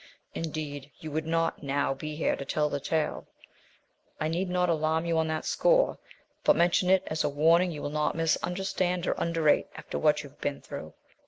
Indeed, you would not now be here to tell the tale. I need not alarm you on that score, but mention it as a warning you will not misunderstand or underrate after what you have been through.